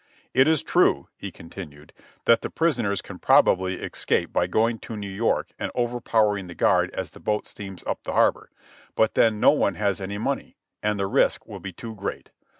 "It is true," he continued, "that the prisoners can probably escape by going to New York and overpowering the guard as the boat steams up the harbor; but then no one has any money, and the risk will be too great.